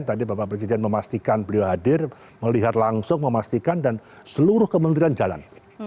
tadi bapak presiden memastikan beliau hadir melihat langsung memastikan dan seluruh kementerian jalan